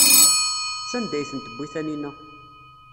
Sanda ay ten-tewwi Taninna?